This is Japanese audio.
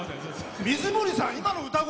水森さん、今の歌声。